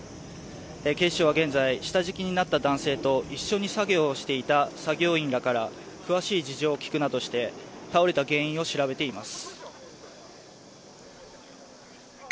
警視庁は現在下敷きになった男性と一緒に作業をしていた作業員らから詳しい事情を聴くなどして倒れた原因を調べています。